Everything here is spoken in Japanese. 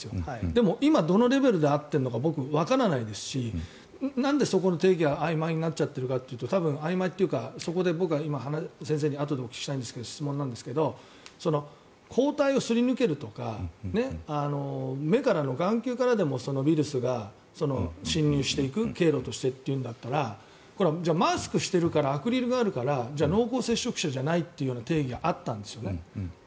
でも今、どのレベルで合っているかわからないですしなんでそこの定義があいまいになっているかというと多分あいまいというかそこで僕はあとで先生にお聞きしたいんですが質問ですが抗体をすり抜けるとか眼球からでもウイルスが侵入していく経路としてというんだったらマスクしているからアクリルじゃないからじゃあ濃厚接触者じゃないという定義があったんですね。